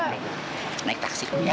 nah naik taksi ya